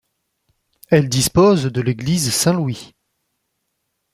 Elle dispose de l'église Saint-Louis.